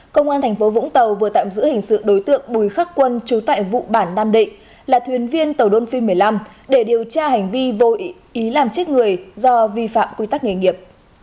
công an thành phố vũng tàu vừa tạm giữ hình sự đối tượng bùi khắc quân chú tại vụ bản nam định là thuyền viên tàu đơn phim một mươi năm để điều tra hành vi vô ý làm chết người do vi phạm quy tắc nghề nghiệp